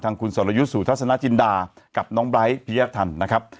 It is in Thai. ทั้งคุณสอรยุทธ์สุทธาษณจินดากับน้องไบร้พี่แอ๊คทันนะครับ